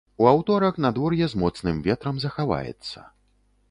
У аўторак надвор'е з моцным ветрам захаваецца.